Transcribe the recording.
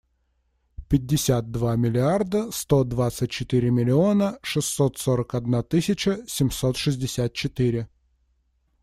Пятьдесят два миллиарда сто двадцать четыре миллиона шестьсот сорок одна тысяча семьсот шестьдесят четыре.